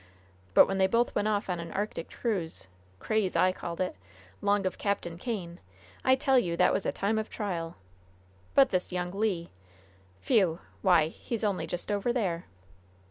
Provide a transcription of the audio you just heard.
But when they both went off on an Arctic cruise craze, I called it 'long of Capt. Kane, I tell you that was a time of trial. But this young Le! Phew! Why, he's only just over there."